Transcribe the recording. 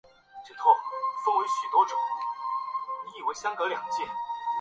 业务四司的增设使国家宗教事务局的业务第一次拓展到五大宗教以外。